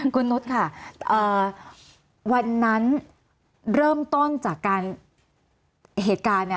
คุณนุษย์ค่ะวันนั้นเริ่มต้นจากการเหตุการณ์เนี่ย